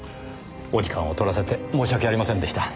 お時間を取らせて申し訳ありませんでした。